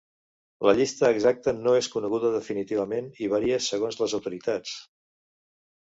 La llista exacta no és coneguda definitivament i varia segons les autoritats.